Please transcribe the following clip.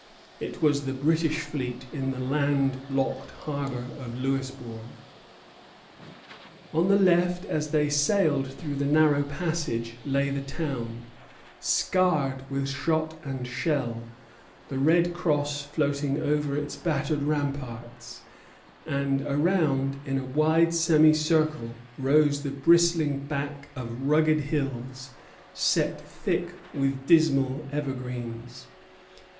It was the British fleet in the land locked harbor of Louisbourg. On the left, as they sailed through the narrow passage, lay the town, scarred with shot and shell, the red cross floating over its battered ramparts; and around in a wide semicircle rose the bristling back of rugged hills, set thick with dismal evergreens.